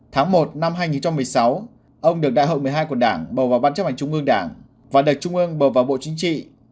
tháng một năm hai nghìn một mươi sáu ông được đại hội một mươi hai của đảng bầu vào ban chấp hành trung ương đảng và được trung ương bầu vào bộ chính trị